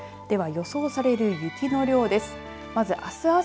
では、予想される雪の量です。